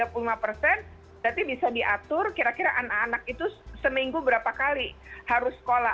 berarti bisa diatur kira kira anak anak itu seminggu berapa kali harus sekolah